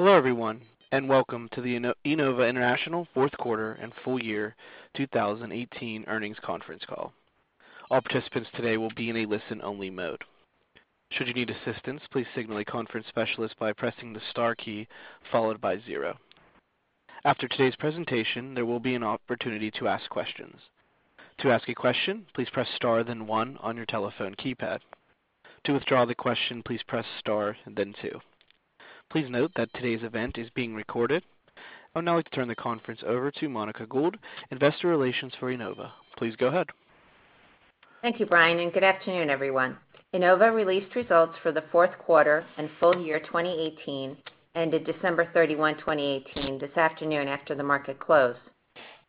Hello everyone, welcome to the Enova International fourth quarter and full year 2018 earnings conference call. All participants today will be in a listen-only mode. Should you need assistance, please signal a conference specialist by pressing the star key followed by zero. After today's presentation, there will be an opportunity to ask questions. To ask a question, please press star then one on your telephone keypad. To withdraw the question, please press star and then two. Please note that today's event is being recorded. I would now like to turn the conference over to Monica Gould, investor relations for Enova. Please go ahead. Thank you, Brian. Good afternoon everyone. Enova released results for the fourth quarter and full year 2018 ended December 31, 2018 this afternoon after the market closed.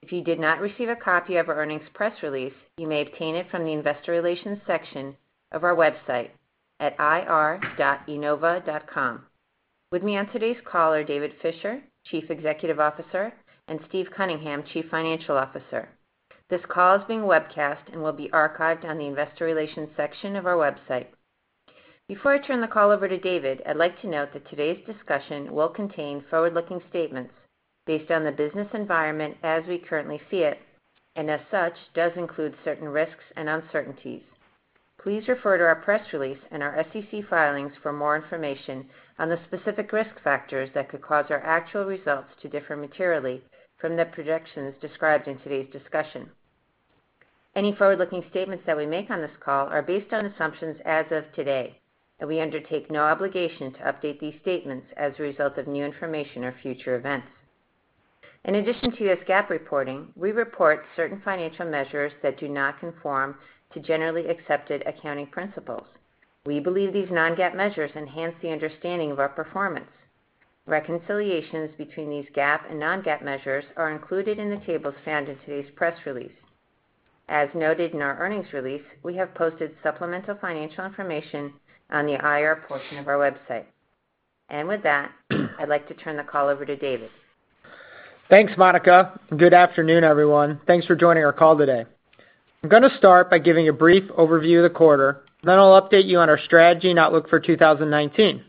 If you did not receive a copy of our earnings press release, you may obtain it from the investor relations section of our website at ir.enova.com. With me on today's call are David Fisher, Chief Executive Officer, and Steve Cunningham, Chief Financial Officer. This call is being webcast and will be archived on the investor relations section of our website. Before I turn the call over to David, I'd like to note that today's discussion will contain forward-looking statements based on the business environment as we currently see it. As such, does include certain risks and uncertainties. Please refer to our press release and our SEC filings for more information on the specific risk factors that could cause our actual results to differ materially from the projections described in today's discussion. Any forward-looking statements that we make on this call are based on assumptions as of today. We undertake no obligation to update these statements as a result of new information or future events. In addition to U.S. GAAP reporting, we report certain financial measures that do not conform to generally accepted accounting principles. We believe these non-GAAP measures enhance the understanding of our performance. Reconciliations between these GAAP and non-GAAP measures are included in the tables found in today's press release. As noted in our earnings release, we have posted supplemental financial information on the IR portion of our website. With that, I'd like to turn the call over to David. Thanks, Monica. Good afternoon, everyone. Thanks for joining our call today. I'm going to start by giving a brief overview of the quarter. Then I'll update you on our strategy and outlook for 2019.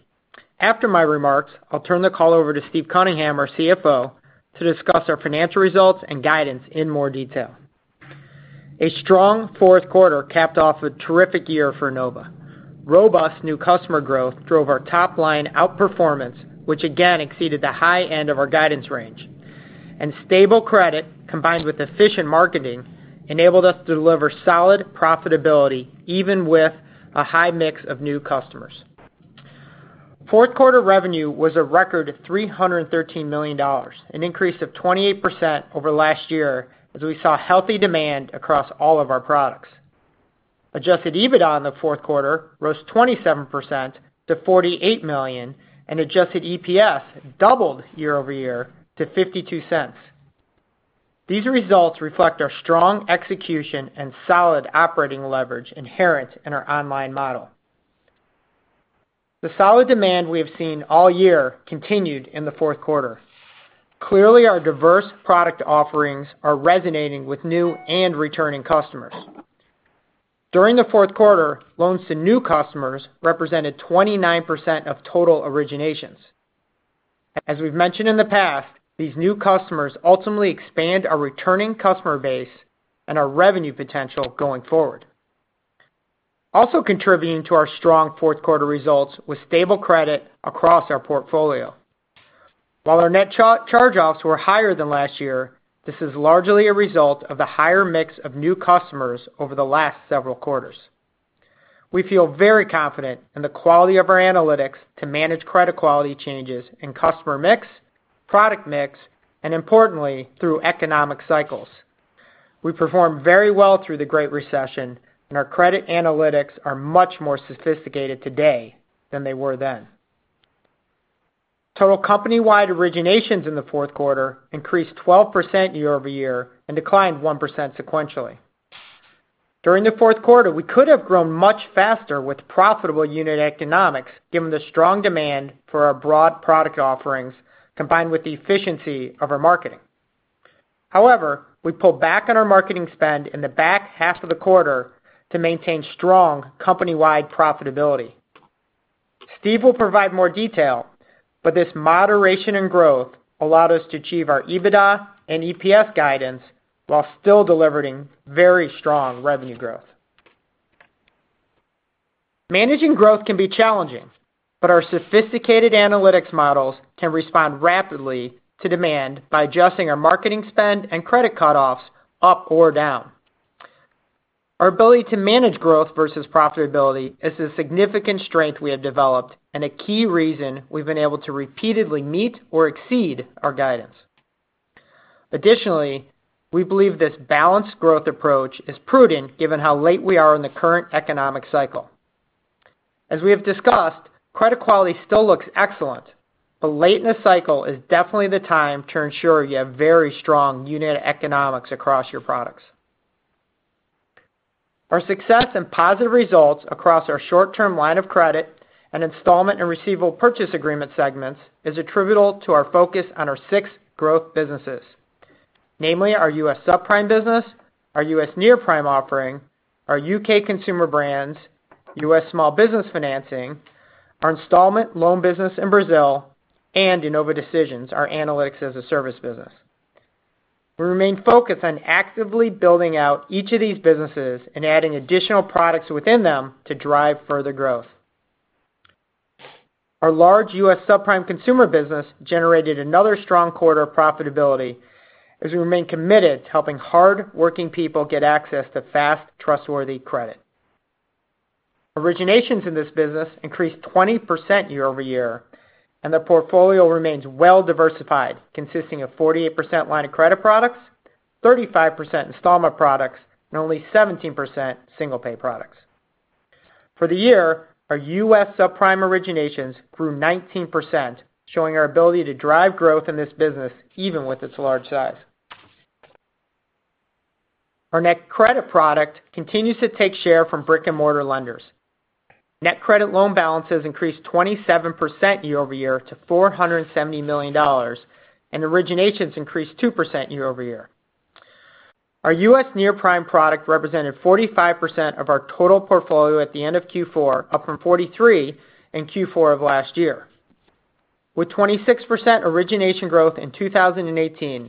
After my remarks, I'll turn the call over to Steve Cunningham, our CFO, to discuss our financial results and guidance in more detail. A strong fourth quarter capped off a terrific year for Enova. Robust new customer growth drove our top-line outperformance, which again exceeded the high end of our guidance range. Stable credit, combined with efficient marketing, enabled us to deliver solid profitability even with a high mix of new customers. Fourth quarter revenue was a record $313 million, an increase of 28% over last year as we saw healthy demand across all of our products. Adjusted EBITDA in the fourth quarter rose 27% to $48 million, and adjusted EPS doubled year-over-year to $0.52. These results reflect our strong execution and solid operating leverage inherent in our online model. The solid demand we have seen all year continued in the fourth quarter. Clearly, our diverse product offerings are resonating with new and returning customers. During the fourth quarter, loans to new customers represented 29% of total originations. As we've mentioned in the past, these new customers ultimately expand our returning customer base and our revenue potential going forward. Also contributing to our strong fourth quarter results was stable credit across our portfolio. While our net charge-offs were higher than last year, this is largely a result of the higher mix of new customers over the last several quarters. We feel very confident in the quality of our analytics to manage credit quality changes in customer mix, product mix, and importantly, through economic cycles. We performed very well through the Great Recession, and our credit analytics are much more sophisticated today than they were then. Total company-wide originations in the fourth quarter increased 12% year-over-year and declined 1% sequentially. During the fourth quarter, we could have grown much faster with profitable unit economics given the strong demand for our broad product offerings combined with the efficiency of our marketing. However, we pulled back on our marketing spend in the back half of the quarter to maintain strong company-wide profitability. Steve will provide more detail, but this moderation in growth allowed us to achieve our EBITDA and EPS guidance while still delivering very strong revenue growth. Managing growth can be challenging, our sophisticated analytics models can respond rapidly to demand by adjusting our marketing spend and credit cutoffs up or down. Our ability to manage growth versus profitability is a significant strength we have developed and a key reason we've been able to repeatedly meet or exceed our guidance. Additionally, we believe this balanced growth approach is prudent given how late we are in the current economic cycle. As we have discussed, credit quality still looks excellent, late in the cycle is definitely the time to ensure you have very strong unit economics across your products. Our success and positive results across our short-term line of credit and installment and receivable purchase agreement segments is attributable to our focus on our six growth businesses. Namely our U.S. subprime business, our U.S. near-prime offering, our U.K. consumer brands, U.S. small business financing, our installment loan business in Brazil, and Enova Decisions, our analytics-as-a-service business. We remain focused on actively building out each of these businesses and adding additional products within them to drive further growth. Our large U.S. subprime consumer business generated another strong quarter of profitability as we remain committed to helping hard-working people get access to fast, trustworthy credit. Originations in this business increased 20% year-over-year, and the portfolio remains well-diversified, consisting of 48% line of credit products, 35% installment products, and only 17% single-pay products. For the year, our U.S. subprime originations grew 19%, showing our ability to drive growth in this business even with its large size. Our NetCredit product continues to take share from brick-and-mortar lenders. NetCredit loan balances increased 27% year-over-year to $470 million, and originations increased 2% year-over-year. Our U.S. near-prime product represented 45% of our total portfolio at the end of Q4, up from 43% in Q4 of last year. With 26% origination growth in 2018,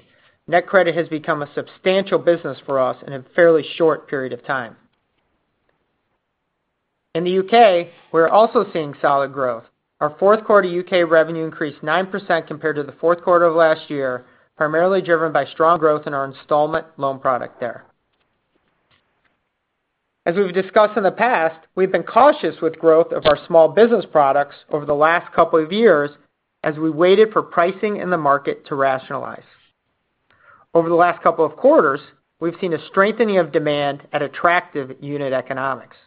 NetCredit has become a substantial business for us in a fairly short period of time. In the U.K., we're also seeing solid growth. Our fourth quarter U.K. revenue increased 9% compared to the fourth quarter of last year, primarily driven by strong growth in our installment loan product there. As we've discussed in the past, we've been cautious with growth of our small business products over the last couple of years as we waited for pricing in the market to rationalize. Over the last couple of quarters, we've seen a strengthening of demand at attractive unit economics.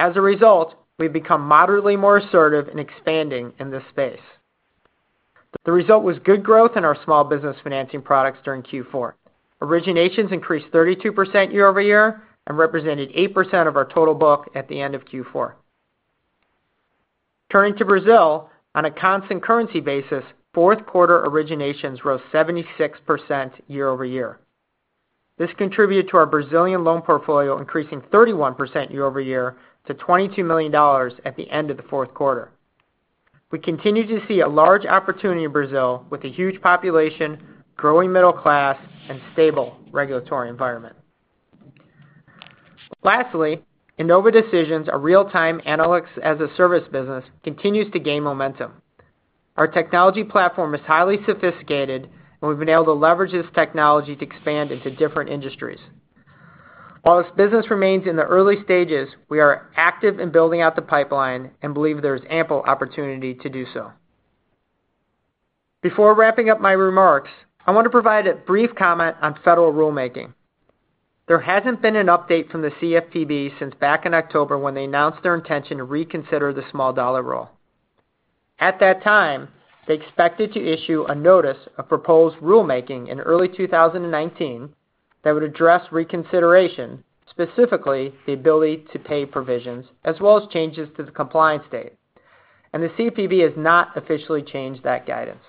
As a result, we've become moderately more assertive in expanding in this space. The result was good growth in our small business financing products during Q4. Originations increased 32% year-over-year and represented 8% of our total book at the end of Q4. Turning to Brazil, on a constant currency basis, fourth quarter originations rose 76% year-over-year. This contributed to our Brazilian loan portfolio increasing 31% year-over-year to $22 million at the end of the fourth quarter. We continue to see a large opportunity in Brazil with a huge population, growing middle class, and stable regulatory environment. Lastly, Enova Decisions, a real-time analytics-as-a-service business, continues to gain momentum. Our technology platform is highly sophisticated, and we've been able to leverage this technology to expand into different industries. While this business remains in the early stages, we are active in building out the pipeline and believe there's ample opportunity to do so. Before wrapping up my remarks, I want to provide a brief comment on federal rulemaking. There hasn't been an update from the CFPB since back in October when they announced their intention to reconsider the small dollar rule. At that time, they expected to issue a notice of proposed rulemaking in early 2019 that would address reconsideration, specifically the ability-to-repay provisions, as well as changes to the compliance date. The CFPB has not officially changed that guidance.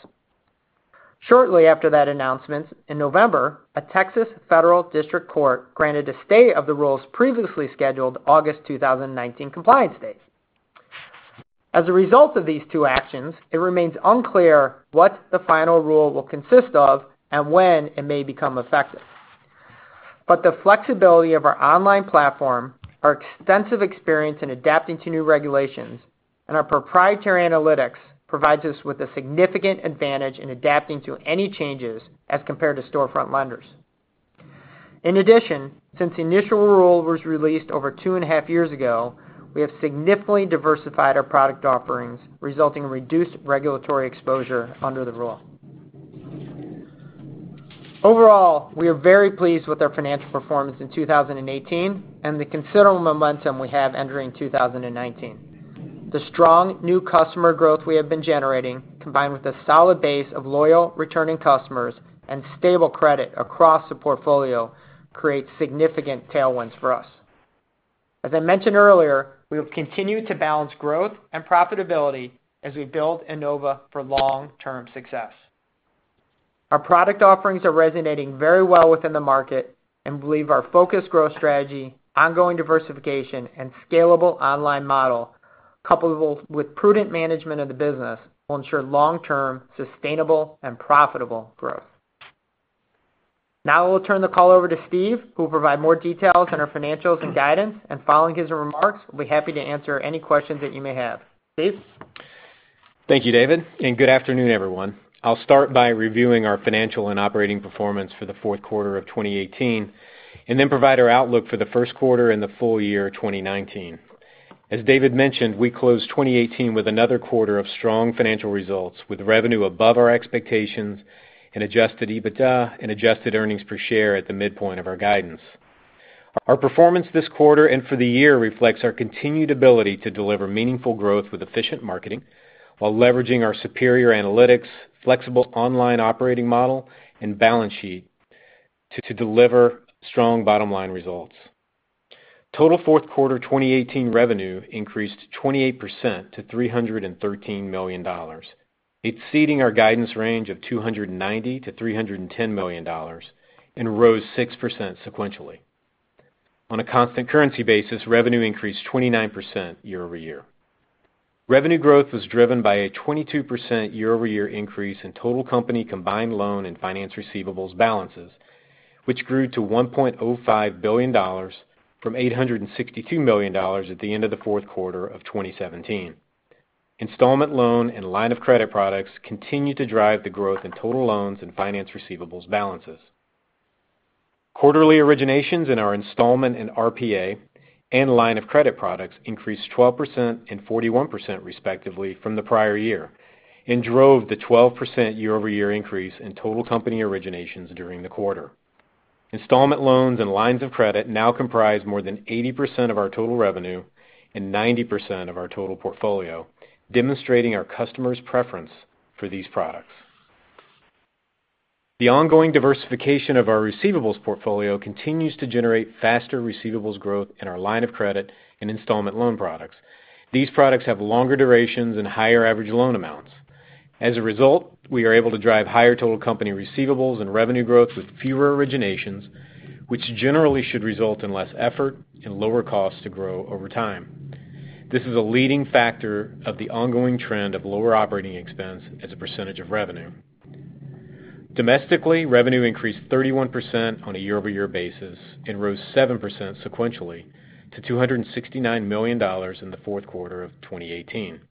Shortly after that announcement, in November, a Texas federal district court granted a stay of the rule's previously scheduled August 2019 compliance date. As a result of these two actions, it remains unclear what the final rule will consist of and when it may become effective. The flexibility of our online platform, our extensive experience in adapting to new regulations, and our proprietary analytics provides us with a significant advantage in adapting to any changes as compared to storefront lenders. In addition, since the initial rule was released over two and a half years ago, we have significantly diversified our product offerings, resulting in reduced regulatory exposure under the rule. Overall, we are very pleased with our financial performance in 2018 and the considerable momentum we have entering 2019. The strong new customer growth we have been generating, combined with a solid base of loyal, returning customers and stable credit across the portfolio, creates significant tailwinds for us. As I mentioned earlier, we will continue to balance growth and profitability as we build Enova for long-term success. Our product offerings are resonating very well within the market and believe our focused growth strategy, ongoing diversification, and scalable online model, coupled with prudent management of the business, will ensure long-term, sustainable, and profitable growth. Now I will turn the call over to Steve, who will provide more details on our financials and guidance. Following his remarks, we'll be happy to answer any questions that you may have. Steve? Thank you, David. Good afternoon, everyone. I'll start by reviewing our financial and operating performance for the fourth quarter of 2018, then provide our outlook for the first quarter and the full year 2019. As David mentioned, we closed 2018 with another quarter of strong financial results with revenue above our expectations and adjusted EBITDA and adjusted earnings per share at the midpoint of our guidance. Our performance this quarter and for the year reflects our continued ability to deliver meaningful growth with efficient marketing while leveraging our superior analytics, flexible online operating model, and balance sheet to deliver strong bottom-line results. Total fourth quarter 2018 revenue increased 28% to $313 million, exceeding our guidance range of $290 million-$310 million, rose 6% sequentially. On a constant currency basis, revenue increased 29% year-over-year. Revenue growth was driven by a 22% year-over-year increase in total company combined loan and finance receivables balances, which grew to $1.05 billion from $862 million at the end of the fourth quarter of 2017. Installment loan and line of credit products continue to drive the growth in total loans and finance receivables balances. Quarterly originations in our installment in RPA and line of credit products increased 12% and 41% respectively from the prior year, drove the 12% year-over-year increase in total company originations during the quarter. Installment loans and lines of credit now comprise more than 80% of our total revenue and 90% of our total portfolio, demonstrating our customers' preference for these products. The ongoing diversification of our receivables portfolio continues to generate faster receivables growth in our line of credit and installment loan products. These products have longer durations and higher average loan amounts. As a result, we are able to drive higher total company receivables and revenue growth with fewer originations, which generally should result in less effort and lower costs to grow over time. This is a leading factor of the ongoing trend of lower operating expense as a percentage of revenue. Domestically, revenue increased 31% on a year-over-year basis, rose 7% sequentially to $269 million in the fourth quarter of 2018.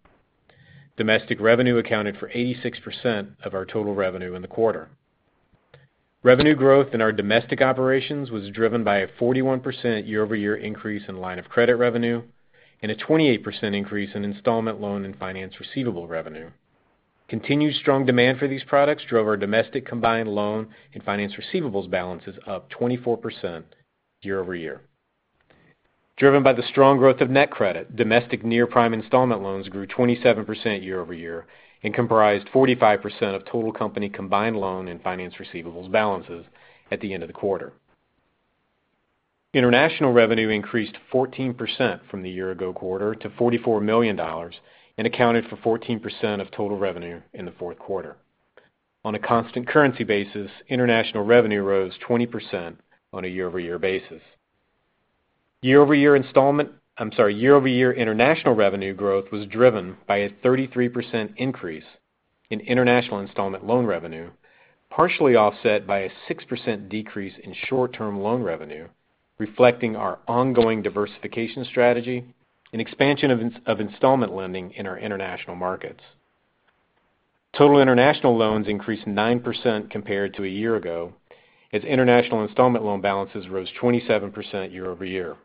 Domestic revenue accounted for 86% of our total revenue in the quarter. Revenue growth in our domestic operations was driven by a 41% year-over-year increase in line of credit revenue and a 28% increase in installment loan and finance receivable revenue. Continued strong demand for these products drove our domestic combined loan and finance receivables balances up 24% year-over-year. Driven by the strong growth of NetCredit, domestic near-prime installment loans grew 27% year-over-year and comprised 45% of total company combined loan and finance receivables balances at the end of the quarter. International revenue increased 14% from the year ago quarter to $44 million and accounted for 14% of total revenue in the fourth quarter. On a constant currency basis, international revenue rose 20% on a year-over-year basis. Year-over-year international revenue growth was driven by a 33% increase in international installment loan revenue, partially offset by a 6% decrease in short-term loan revenue, reflecting our ongoing diversification strategy and expansion of installment lending in our international markets. Total international loans increased 9% compared to a year ago as international installment loan balances rose 27% year-over-year.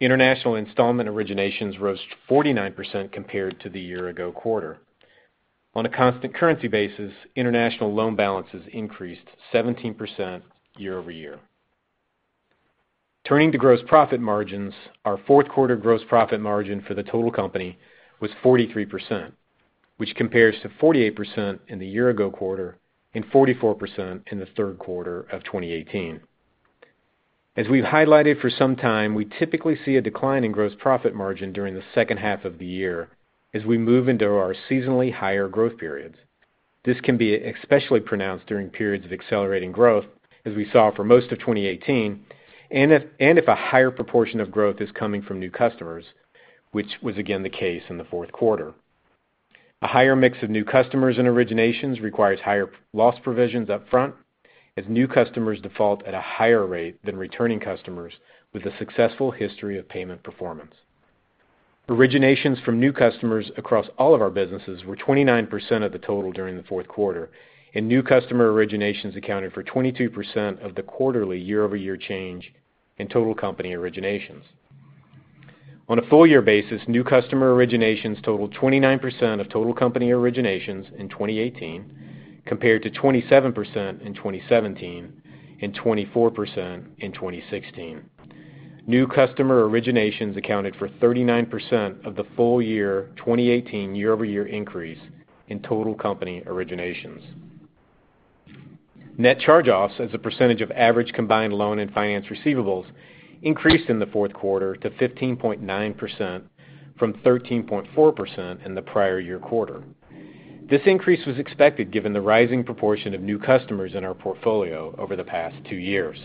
International installment originations rose 49% compared to the year ago quarter. On a constant currency basis, international loan balances increased 17% year-over-year. Turning to gross profit margins, our fourth quarter gross profit margin for the total company was 43%, which compares to 48% in the year ago quarter and 44% in the third quarter of 2018. As we've highlighted for some time, we typically see a decline in gross profit margin during the second half of the year as we move into our seasonally higher growth periods. This can be especially pronounced during periods of accelerating growth, as we saw for most of 2018, and if a higher proportion of growth is coming from new customers, which was again the case in the fourth quarter. A higher mix of new customers and originations requires higher loss provisions upfront as new customers default at a higher rate than returning customers with a successful history of payment performance. Originations from new customers across all of our businesses were 29% of the total during the fourth quarter, and new customer originations accounted for 22% of the quarterly year-over-year change in total company originations. On a full year basis, new customer originations totaled 29% of total company originations in 2018, compared to 27% in 2017 and 24% in 2016. New customer originations accounted for 39% of the full year 2018 year-over-year increase in total company originations. Net charge-offs as a percentage of average combined loan and finance receivables increased in the fourth quarter to 15.9% from 13.4% in the prior year quarter. This increase was expected given the rising proportion of new customers in our portfolio over the past two years.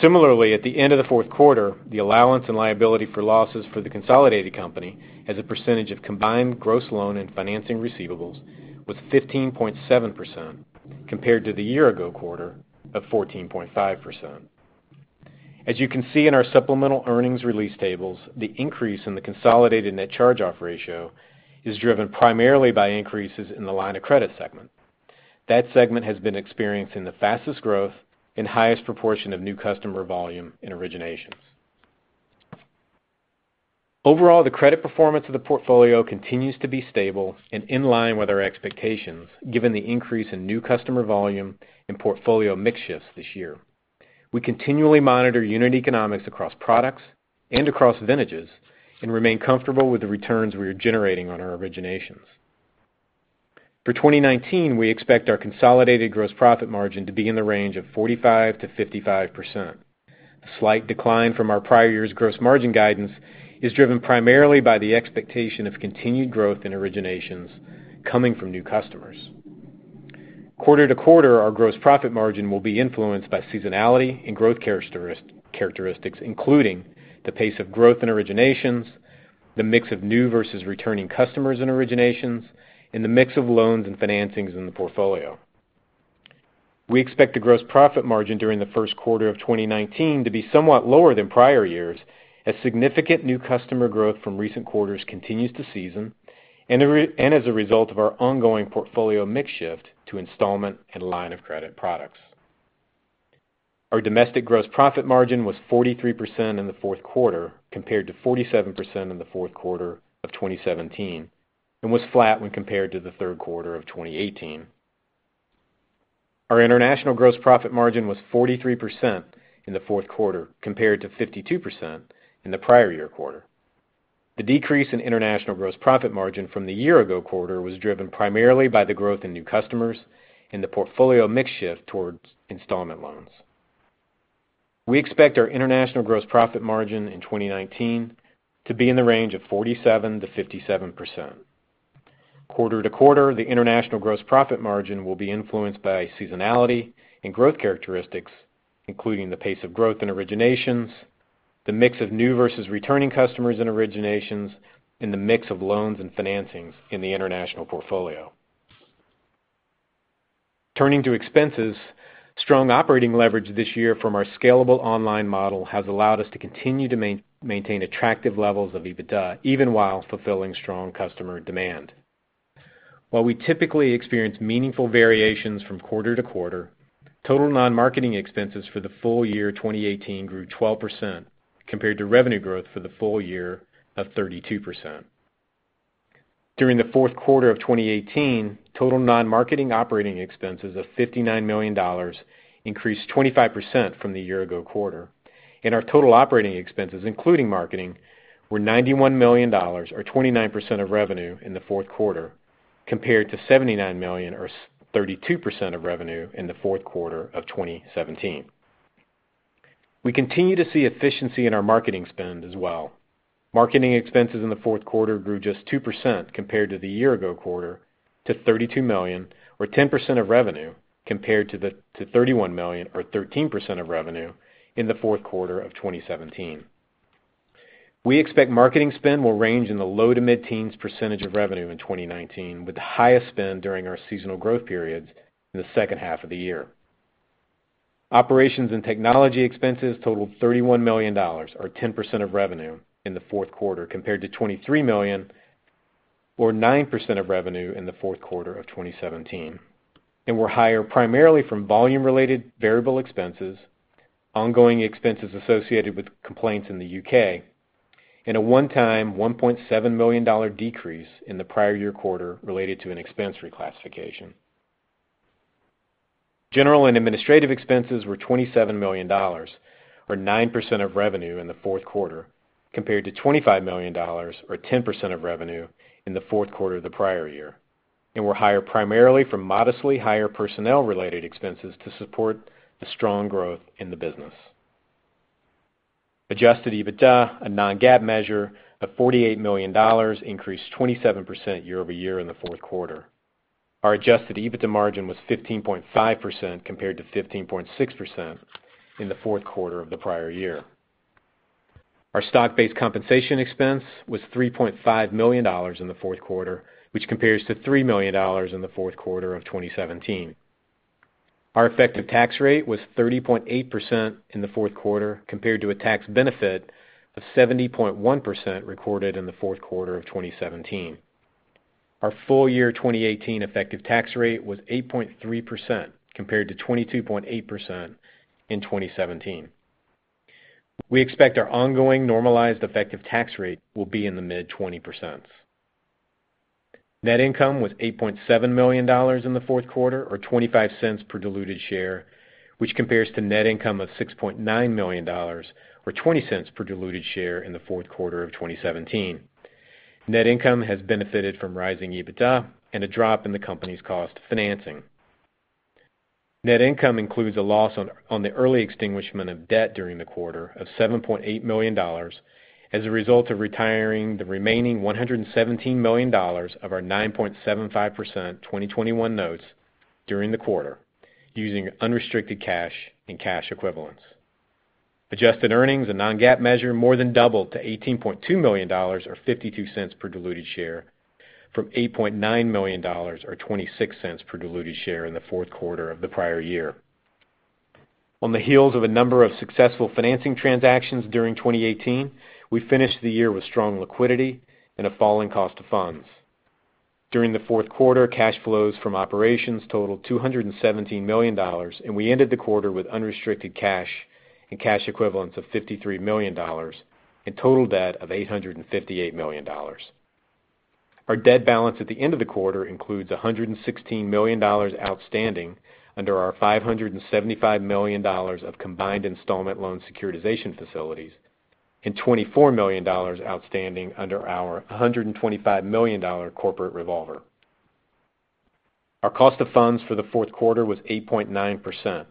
Similarly, at the end of the fourth quarter, the allowance and liability for losses for the consolidated company as a percentage of combined gross loan and financing receivables was 15.7% compared to the year ago quarter of 14.5%. As you can see in our supplemental earnings release tables, the increase in the consolidated net charge-off ratio is driven primarily by increases in the line of credit segment. That segment has been experiencing the fastest growth and highest proportion of new customer volume in originations. Overall, the credit performance of the portfolio continues to be stable and in line with our expectations given the increase in new customer volume and portfolio mix shifts this year. We continually monitor unit economics across products and across vintages and remain comfortable with the returns we are generating on our originations. For 2019, we expect our consolidated gross profit margin to be in the range of 45%-55%. A slight decline from our prior year's gross margin guidance is driven primarily by the expectation of continued growth in originations coming from new customers. Quarter-to-quarter, our gross profit margin will be influenced by seasonality and growth characteristics, including the pace of growth in originations, the mix of new versus returning customers in originations, and the mix of loans and financings in the portfolio. We expect the gross profit margin during the first quarter of 2019 to be somewhat lower than prior years as significant new customer growth from recent quarters continues to season, and as a result of our ongoing portfolio mix shift to installment and line of credit products. Our domestic gross profit margin was 43% in the fourth quarter, compared to 47% in the fourth quarter of 2017, and was flat when compared to the third quarter of 2018. Our international gross profit margin was 43% in the fourth quarter, compared to 52% in the prior year quarter. The decrease in international gross profit margin from the year-ago quarter was driven primarily by the growth in new customers and the portfolio mix shift towards installment loans. We expect our international gross profit margin in 2019 to be in the range of 47%-57%. Quarter-to-quarter, the international gross profit margin will be influenced by seasonality and growth characteristics, including the pace of growth in originations, the mix of new versus returning customers in originations, and the mix of loans and financings in the international portfolio. Turning to expenses, strong operating leverage this year from our scalable online model has allowed us to continue to maintain attractive levels of EBITDA, even while fulfilling strong customer demand. While we typically experience meaningful variations from quarter-to-quarter, total non-marketing expenses for the full year 2018 grew 12%, compared to revenue growth for the full year of 32%. During the fourth quarter of 2018, total non-marketing operating expenses of $59 million increased 25% from the year-ago quarter. Our total operating expenses, including marketing, were $91 million, or 29% of revenue in the fourth quarter, compared to $79 million, or 32% of revenue in the fourth quarter of 2017. We continue to see efficiency in our marketing spend as well. Marketing expenses in the fourth quarter grew just 2% compared to the year-ago quarter to $32 million, or 10% of revenue, compared to $31 million or 13% of revenue in the fourth quarter of 2017. We expect marketing spend will range in the low to mid-teens percentage of revenue in 2019, with the highest spend during our seasonal growth periods in the second half of the year. Operations and technology expenses totaled $31 million, or 10% of revenue in the fourth quarter, compared to $23 million or 9% of revenue in the fourth quarter of 2017, and were higher primarily from volume-related variable expenses, ongoing expenses associated with complaints in the U.K., and a one-time $1.7 million decrease in the prior year quarter related to an expense reclassification. General and administrative expenses were $27 million, or 9% of revenue in the fourth quarter, compared to $25 million or 10% of revenue in the fourth quarter of the prior year, and were higher primarily for modestly higher personnel-related expenses to support the strong growth in the business. Adjusted EBITDA, a non-GAAP measure of $48 million, increased 27% year-over-year in the fourth quarter. Our adjusted EBITDA margin was 15.5%, compared to 15.6% in the fourth quarter of the prior year. Our stock-based compensation expense was $3.5 million in the fourth quarter, which compares to $3 million in the fourth quarter of 2017. Our effective tax rate was 30.8% in the fourth quarter, compared to a tax benefit of 70.1% recorded in the fourth quarter of 2017. Our full year 2018 effective tax rate was 8.3%, compared to 22.8% in 2017. We expect our ongoing normalized effective tax rate will be in the mid-20%. Net income was $8.7 million in the fourth quarter, or $0.25 per diluted share, which compares to net income of $6.9 million or $0.20 per diluted share in the fourth quarter of 2017. Net income has benefited from rising EBITDA and a drop in the company's cost financing. Net income includes a loss on the early extinguishment of debt during the quarter of $7.8 million as a result of retiring the remaining $117 million of our 9.75% 2021 notes during the quarter using unrestricted cash and cash equivalents. Adjusted earnings, a non-GAAP measure, more than doubled to $18.2 million or $0.52 per diluted share from $8.9 million or $0.26 per diluted share in the fourth quarter of the prior year. On the heels of a number of successful financing transactions during 2018, we finished the year with strong liquidity and a falling cost of funds. During the fourth quarter, cash flows from operations totaled $217 million, we ended the quarter with unrestricted cash and cash equivalents of $53 million and total debt of $858 million. Our debt balance at the end of the quarter includes $116 million outstanding under our $575 million of combined installment loan securitization facilities. $24 million outstanding under our $125 million corporate revolver. Our cost of funds for the fourth quarter was 8.9%,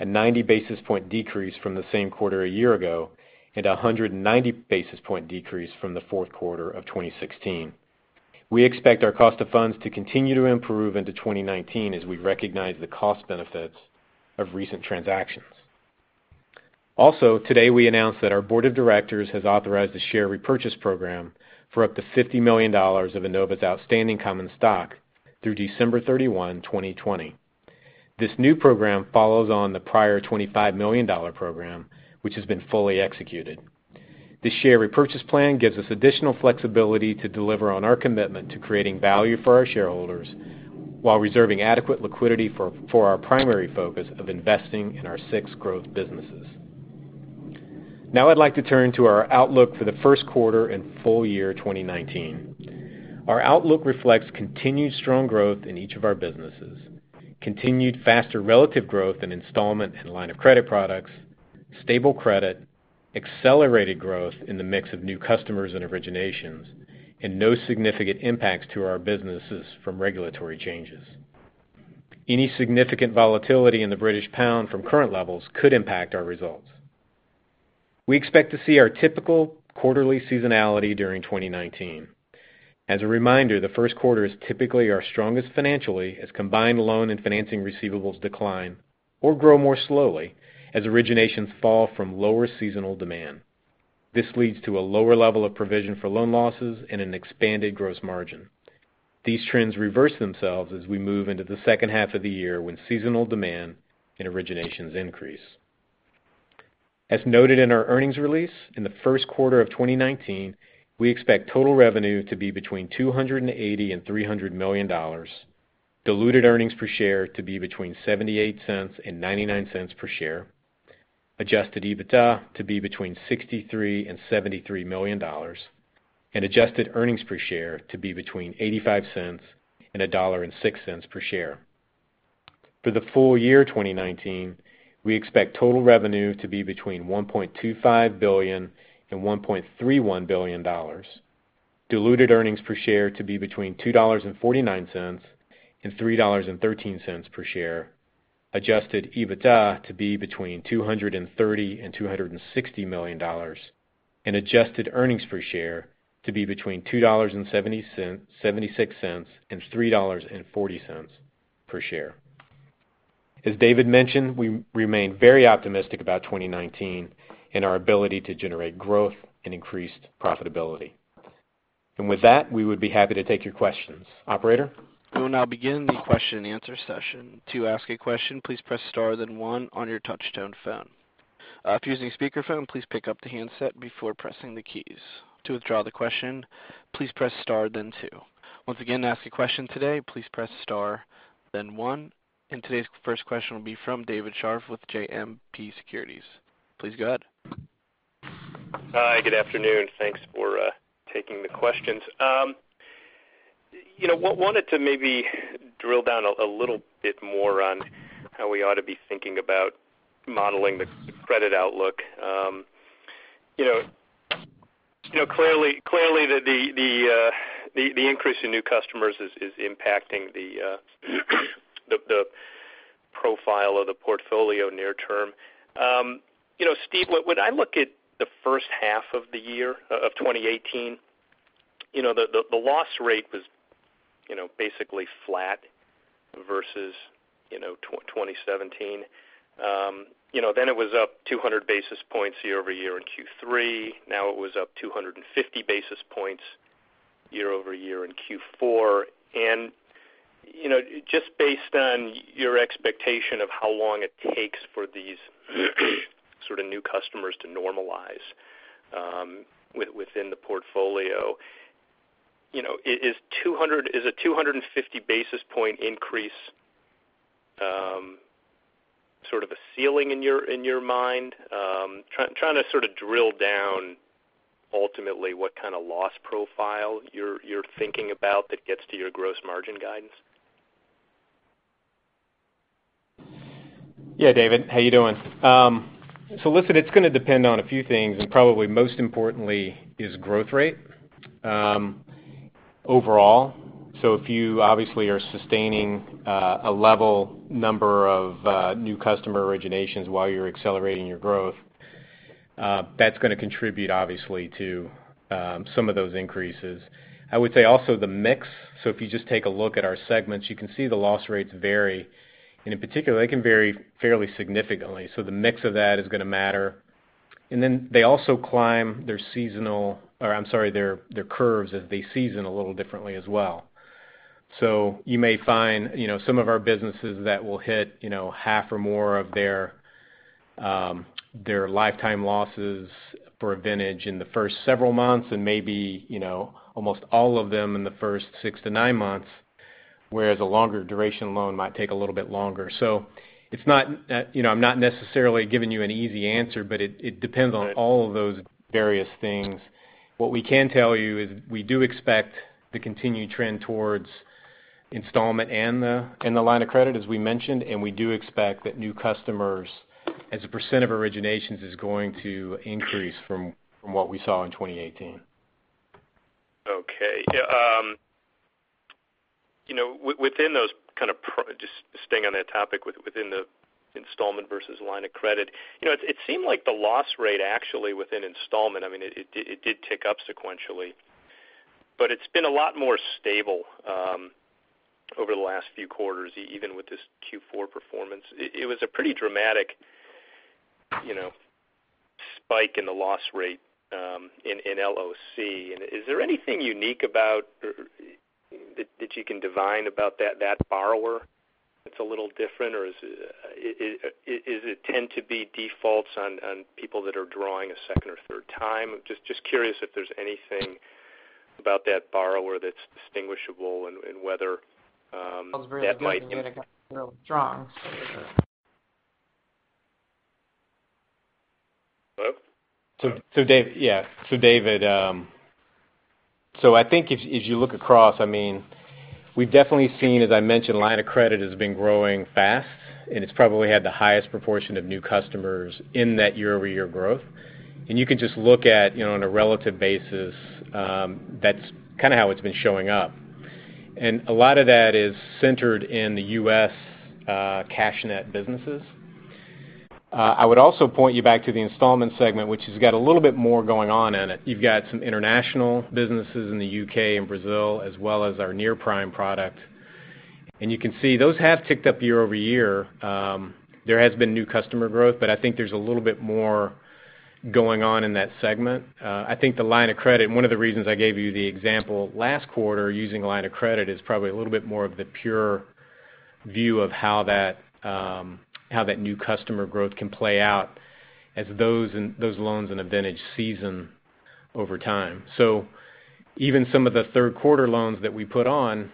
a 90 basis point decrease from the same quarter a year ago, and 190 basis point decrease from the fourth quarter of 2016. We expect our cost of funds to continue to improve into 2019 as we recognize the cost benefits of recent transactions. Today we announced that our board of directors has authorized a share repurchase program for up to $50 million of Enova's outstanding common stock through December 31, 2020. This new program follows on the prior $25 million program, which has been fully executed. This share repurchase plan gives us additional flexibility to deliver on our commitment to creating value for our shareholders while reserving adequate liquidity for our primary focus of investing in our six growth businesses. I'd like to turn to our outlook for the first quarter and full year 2019. Our outlook reflects continued strong growth in each of our businesses, continued faster relative growth in installment and line of credit products, stable credit, accelerated growth in the mix of new customers and originations, and no significant impacts to our businesses from regulatory changes. Any significant volatility in the British pound from current levels could impact our results. We expect to see our typical quarterly seasonality during 2019. As a reminder, the first quarter is typically our strongest financially as combined loan and financing receivables decline or grow more slowly as originations fall from lower seasonal demand. This leads to a lower level of provision for loan losses and an expanded gross margin. These trends reverse themselves as we move into the second half of the year when seasonal demand and originations increase. As noted in our earnings release, in the first quarter of 2019, we expect total revenue to be between $280 million and $300 million, diluted earnings per share to be between $0.78 and $0.99 per share, adjusted EBITDA to be between $63 million and $73 million, and adjusted earnings per share to be between $0.85 and $1.06 per share. For the full year 2019, we expect total revenue to be between $1.25 billion and $1.31 billion, diluted earnings per share to be between $2.49 and $3.13 per share, adjusted EBITDA to be between $230 million and $260 million, and adjusted earnings per share to be between $2.76 and $3.40 per share. As David mentioned, we remain very optimistic about 2019 and our ability to generate growth and increased profitability. With that, we would be happy to take your questions. Operator? We will now begin the question and answer session. To ask a question, please press star then one on your touch-tone phone. If you're using speakerphone, please pick up the handset before pressing the keys. To withdraw the question, please press star then two. Once again, to ask a question today, please press star then one. Today's first question will be from David Scharf with JMP Securities. Please go ahead. Hi, good afternoon. Thanks for taking the questions. Wanted to maybe drill down a little bit more on how we ought to be thinking about modeling the credit outlook. Clearly, the increase in new customers is impacting the profile of the portfolio near term. Steve, when I look at the first half of 2018, the loss rate was basically flat versus 2017. It was up 200 basis points year-over-year in Q3. Now it was up 250 basis points year-over-year in Q4. Just based on your expectation of how long it takes for these sort of new customers to normalize within the portfolio, is a 250 basis point increase sort of a ceiling in your mind? I'm trying to sort of drill down ultimately what kind of loss profile you're thinking about that gets to your gross margin guidance. Yeah, David. How you doing? Listen, it's going to depend on a few things, and probably most importantly is growth rate overall. If you obviously are sustaining a level number of new customer originations while you're accelerating your growth, that's going to contribute obviously to some of those increases. I would say also the mix. If you just take a look at our segments, you can see the loss rates vary, and in particular, they can vary fairly significantly. The mix of that is going to matter. They also climb their seasonal-- or I'm sorry, their curves as they season a little differently as well. You may find some of our businesses that will hit half or more of their lifetime losses for a vintage in the first several months and maybe almost all of them in the first six to nine months, whereas a longer duration loan might take a little bit longer. I'm not necessarily giving you an easy answer, but it depends on all of those various things. What we can tell you is we do expect the continued trend towards installment and the line of credit, as we mentioned, and we do expect that new customers as a percent of originations is going to increase from what we saw in 2018. Okay. Just staying on that topic within the installment versus line of credit. It seemed like the loss rate actually within installment, it did tick up sequentially. It's been a lot more stable over the last few quarters, even with this Q4 performance. It was a pretty dramatic spike in the loss rate in LOC. Is there anything unique that you can divine about that borrower that's a little different, or is it tend to be defaults on people that are drawing a second or third time? Just curious if there's anything about that borrower that's distinguishable and whether that might be- David, I think as you look across, we've definitely seen, as I mentioned, line of credit has been growing fast, and it's probably had the highest proportion of new customers in that year-over-year growth. You can just look at, on a relative basis, that's kind of how it's been showing up. A lot of that is centered in the U.S. CashNetUSA businesses. I would also point you back to the installment segment, which has got a little bit more going on in it. You've got some international businesses in the U.K. and Brazil, as well as our near-prime product. You can see those have ticked up year-over-year. There has been new customer growth, but I think there's a little bit more going on in that segment. I think the line of credit, and one of the reasons I gave you the example last quarter using line of credit, is probably a little bit more of the pure view of how that new customer growth can play out as those loans and the vintage season over time. Even some of the third quarter loans that we put on,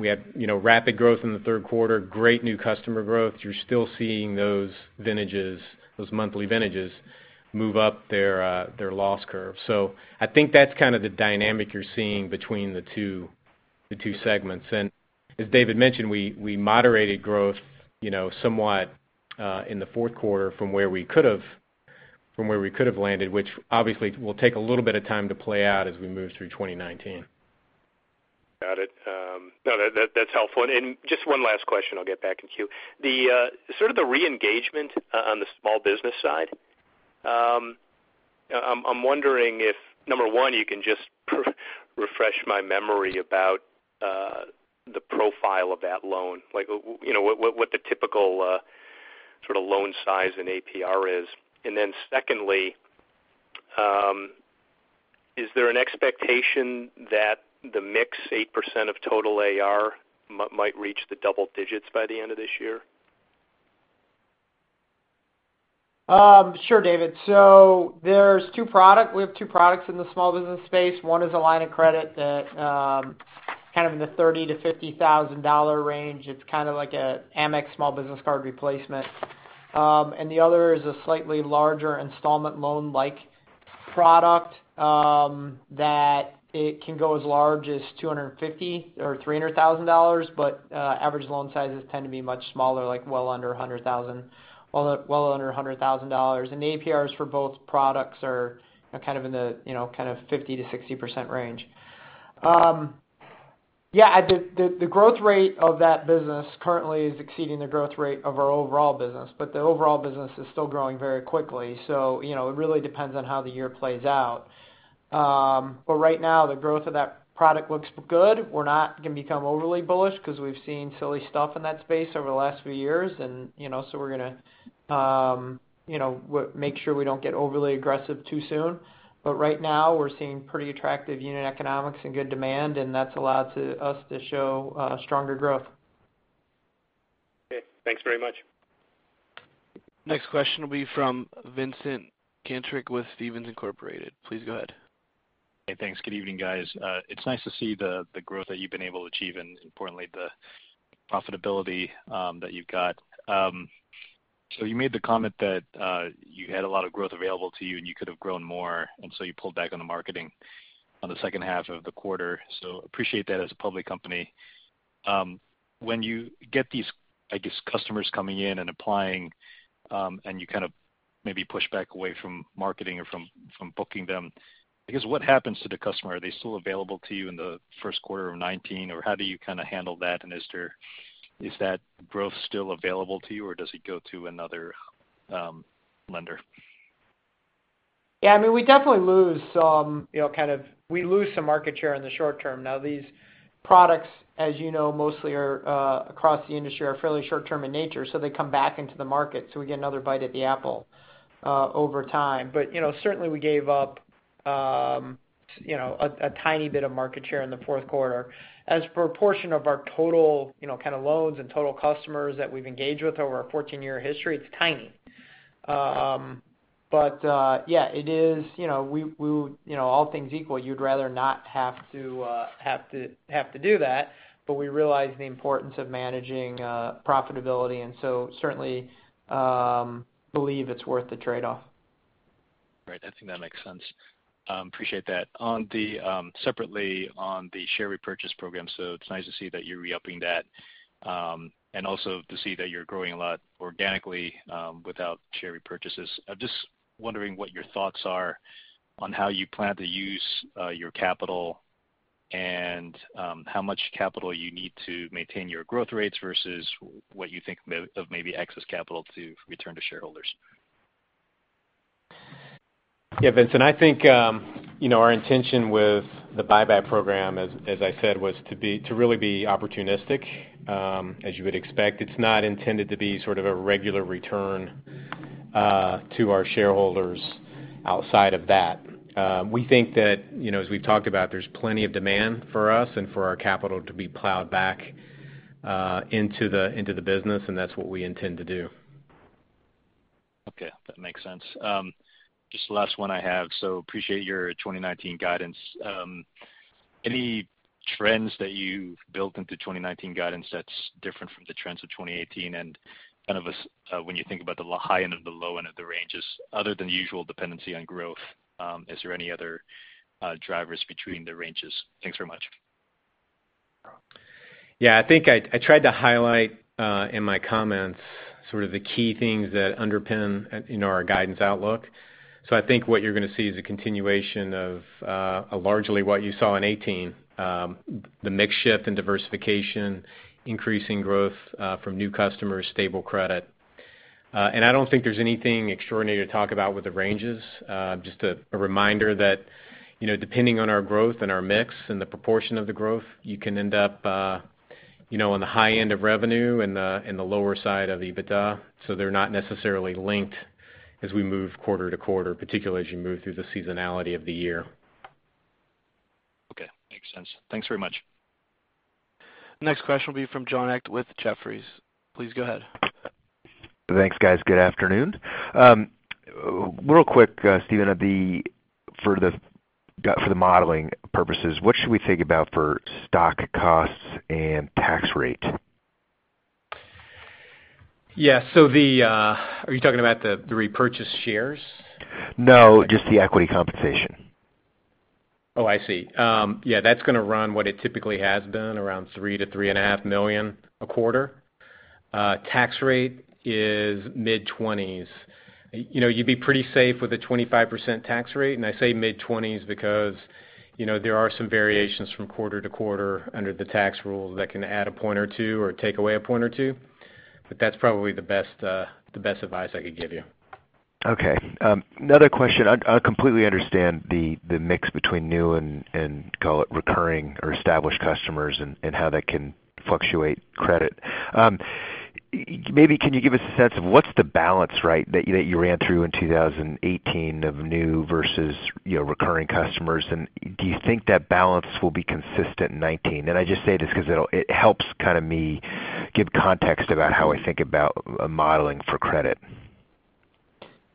we had rapid growth in the third quarter, great new customer growth. You're still seeing those monthly vintages move up their loss curve. I think that's kind of the dynamic you're seeing between the two segments. As David mentioned, we moderated growth somewhat in the fourth quarter from where we could've landed, which obviously will take a little bit of time to play out as we move through 2019. Got it. No, that's helpful. Just one last question, I'll get back in queue. The sort of the re-engagement on the small business side. I'm wondering if, number 1, you can just refresh my memory about the profile of that loan, like what the typical sort of loan size and APR is. Secondly, is there an expectation that the mix, 8% of total AR, might reach the double digits by the end of this year? Sure, David. We have two products in the small business space. One is a line of credit that kind of in the $30,000-$50,000 range. It's kind of like an Amex small business card replacement. The other is a slightly larger installment loan-like product that it can go as large as $250,000 or $300,000, but average loan sizes tend to be much smaller, like well under $100,000. The APRs for both products are kind of in the 50%-60% range. The growth rate of that business currently is exceeding the growth rate of our overall business, but the overall business is still growing very quickly. It really depends on how the year plays out. Right now, the growth of that product looks good. We're not going to become overly bullish because we've seen silly stuff in that space over the last few years, so we're going to make sure we don't get overly aggressive too soon. Right now, we're seeing pretty attractive unit economics and good demand, and that's allowed us to show stronger growth. Okay. Thanks very much. Next question will be from Vincent Caintic with Stephens Inc. Please go ahead. Hey, thanks. Good evening, guys. It's nice to see the growth that you've been able to achieve, and importantly, the profitability that you've got. You made the comment that you had a lot of growth available to you and you could have grown more, and you pulled back on the marketing on the second half of the quarter. Appreciate that as a public company. When you get these, I guess, customers coming in and applying, and you kind of maybe push back away from marketing or from booking them. I guess, what happens to the customer? Are they still available to you in the first quarter of 2019, or how do you kind of handle that, and is that growth still available to you, or does it go to another lender? Yeah, we definitely lose some market share in the short term. These products, as you know, mostly across the industry, are fairly short term in nature, so they come back into the market, so we get another bite at the apple over time. Certainly we gave up a tiny bit of market share in the fourth quarter. As proportion of our total loans and total customers that we've engaged with over our 14-year history, it's tiny. Yeah, all things equal, you'd rather not have to do that, but we realize the importance of managing profitability, and so certainly believe it's worth the trade-off. Right. I think that makes sense. Appreciate that. Separately, on the share repurchase program, so it's nice to see that you're re-upping that, and also to see that you're growing a lot organically, without share repurchases. I'm just wondering what your thoughts are on how you plan to use your capital and how much capital you need to maintain your growth rates versus what you think of maybe excess capital to return to shareholders. Yeah, Vincent, I think our intention with the buyback program, as I said, was to really be opportunistic. As you would expect, it's not intended to be sort of a regular return to our shareholders outside of that. We think that, as we've talked about, there's plenty of demand for us and for our capital to be plowed back into the business, and that's what we intend to do. Okay. That makes sense. Just the last one I have. Appreciate your 2019 guidance. Any trends that you've built into 2019 guidance that's different from the trends of 2018, kind of when you think about the high end and the low end of the ranges, other than usual dependency on growth, is there any other drivers between the ranges? Thanks very much. Yeah, I think I tried to highlight in my comments sort of the key things that underpin our guidance outlook. I think what you're going to see is a continuation of largely what you saw in 2018. The mix shift and diversification, increasing growth from new customers, stable credit. I don't think there's anything extraordinary to talk about with the ranges. Just a reminder that depending on our growth and our mix and the proportion of the growth, you can end up on the high end of revenue and the lower side of EBITDA. They're not necessarily linked as we move quarter to quarter, particularly as you move through the seasonality of the year. Okay. Makes sense. Thanks very much. Next question will be from John Hecht with Jefferies. Please go ahead. Thanks, guys. Good afternoon. Real quick, Steve, for the modeling purposes, what should we think about for stock costs and tax rate? Yeah. Are you talking about the repurchased shares? No, just the equity compensation. Oh, I see. Yeah, that's going to run what it typically has been, around $3 million to $3.5 million a quarter. Tax rate is mid-20s. You'd be pretty safe with a 25% tax rate, and I say mid-20s because there are some variations from quarter to quarter under the tax rules that can add a point or two or take away a point or two. That's probably the best advice I could give you. Okay. Another question. I completely understand the mix between new and call it recurring or established customers and how that can fluctuate credit. Maybe can you give us a sense of what's the balance, right? That you ran through in 2018 of new versus recurring customers, and do you think that balance will be consistent in 2019? I just say this because it helps kind of me give context about how I think about modeling for credit.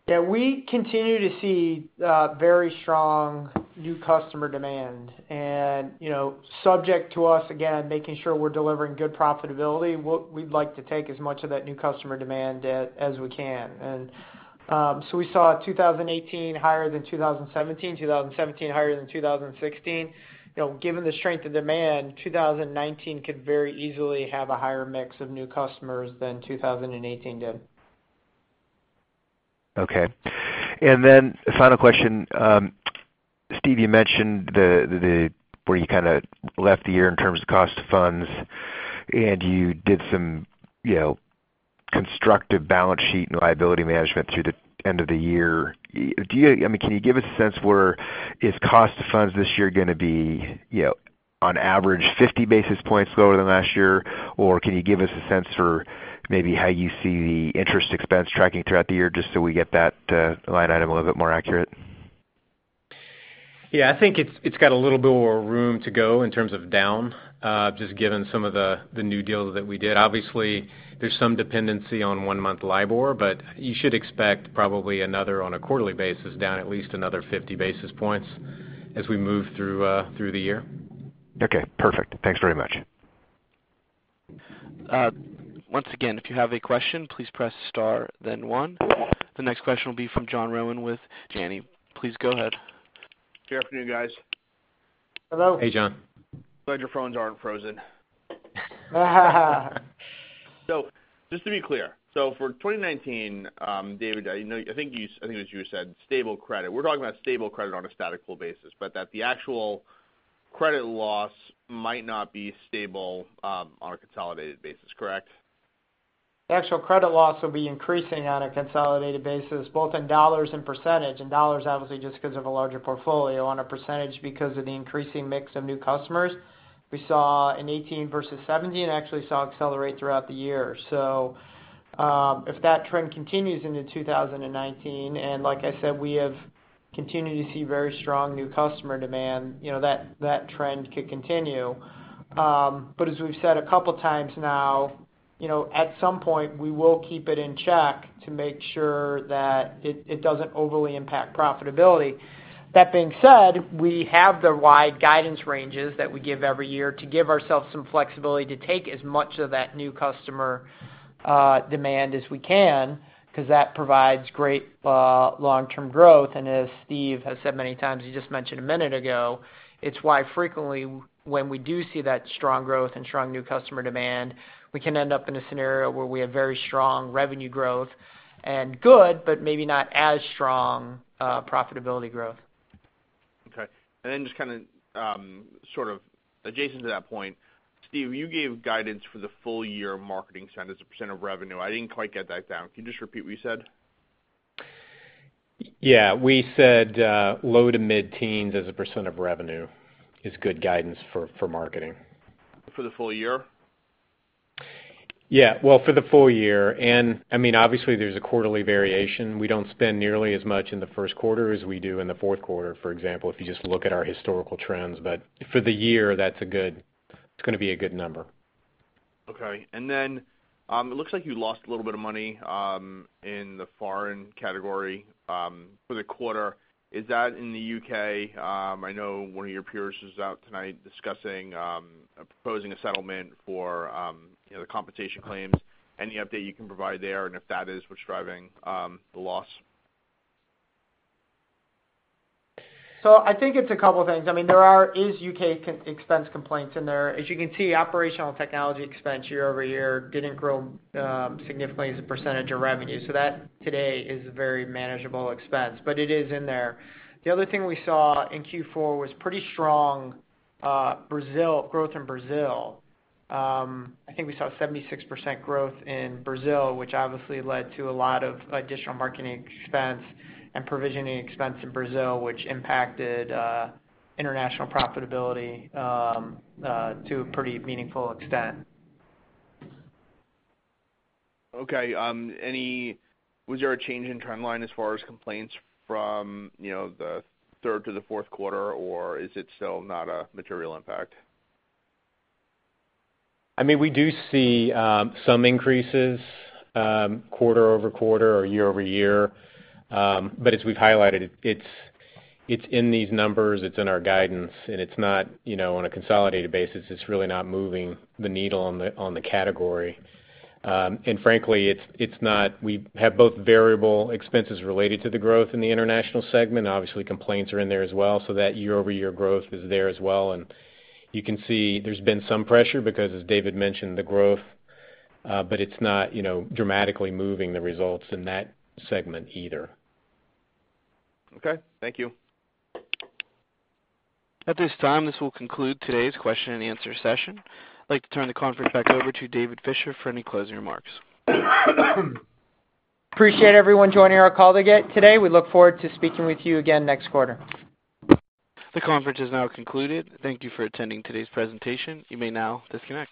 Yeah, we continue to see very strong new customer demand. Subject to us, again, making sure we're delivering good profitability, we'd like to take as much of that new customer demand as we can. We saw 2018 higher than 2017 higher than 2016. Given the strength of demand, 2019 could very easily have a higher mix of new customers than 2018 did. Okay. Final question. Steve, you mentioned where you kind of left the year in terms of cost of funds, you did some constructive balance sheet and liability management through the end of the year. Can you give us a sense where is cost of funds this year going to be on average 50 basis points lower than last year? Can you give us a sense for maybe how you see the interest expense tracking throughout the year just so we get that line item a little bit more accurate? Yeah, I think it's got a little bit more room to go in terms of down, just given some of the new deals that we did. Obviously, there's some dependency on one-month LIBOR, you should expect probably another, on a quarterly basis, down at least another 50 basis points as we move through the year. Okay, perfect. Thanks very much. Once again, if you have a question, please press star then one. The next question will be from John Rowan with Janney. Please go ahead. Good afternoon, guys. Hello. Hey, John. Glad your phones aren't frozen. Just to be clear, for 2019, David, I think it was you who said stable credit. We're talking about stable credit on a statistical basis, but that the actual credit loss might not be stable on a consolidated basis, correct? The actual credit loss will be increasing on a consolidated basis, both in dollars and percentage. In dollars, obviously, just because of a larger portfolio. On a percentage because of the increasing mix of new customers. We saw in 2018 versus 2017, actually saw it accelerate throughout the year. If that trend continues into 2019, and like I said, we have continued to see very strong new customer demand, that trend could continue. As we've said a couple of times now, at some point we will keep it in check to make sure that it doesn't overly impact profitability. That being said, we have the wide guidance ranges that we give every year to give ourselves some flexibility to take as much of that new customer demand as we can, because that provides great long-term growth. As Steve has said many times, he just mentioned a minute ago, it's why frequently when we do see that strong growth and strong new customer demand, we can end up in a scenario where we have very strong revenue growth and good, but maybe not as strong profitability growth. Okay. Just kind of adjacent to that point, Steve, you gave guidance for the full year marketing spend as a percent of revenue. I didn't quite get that down. Can you just repeat what you said? Yeah. We said low to mid-teens as a percent of revenue is good guidance for marketing. For the full year? Yeah. Well, for the full year. Obviously, there's a quarterly variation. We don't spend nearly as much in the first quarter as we do in the fourth quarter, for example, if you just look at our historical trends. For the year, it's going to be a good number. Okay. Then, it looks like you lost a little bit of money in the foreign category for the quarter. Is that in the U.K.? I know one of your peers is out tonight discussing proposing a settlement for the compensation claims. Any update you can provide there and if that is what's driving the loss? I think it's a couple things. There is U.K. expense complaints in there. As you can see, operational technology expense year-over-year didn't grow significantly as a percentage of revenue. That today is a very manageable expense, but it is in there. The other thing we saw in Q4 was pretty strong growth in Brazil. I think we saw 76% growth in Brazil, which obviously led to a lot of additional marketing expense and provisioning expense in Brazil, which impacted international profitability to a pretty meaningful extent. Okay. Was there a change in trend line as far as complaints from the third to the fourth quarter, or is it still not a material impact? We do see some increases quarter-over-quarter or year-over-year. As we've highlighted, it's in these numbers, it's in our guidance, and on a consolidated basis, it's really not moving the needle on the category. Frankly, we have both variable expenses related to the growth in the international segment. Obviously, complaints are in there as well, so that year-over-year growth is there as well. You can see there's been some pressure because, as David mentioned, the growth, but it's not dramatically moving the results in that segment either. Okay. Thank you. At this time, this will conclude today's question and answer session. I'd like to turn the conference back over to David Fisher for any closing remarks. Appreciate everyone joining our call today. We look forward to speaking with you again next quarter. The conference is now concluded. Thank you for attending today's presentation. You may now disconnect.